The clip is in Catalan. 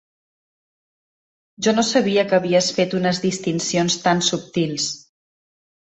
Jo no sabia que havies fet unes distincions tan subtils.